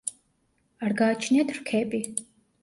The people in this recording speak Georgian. არ გააჩნიათ რქები.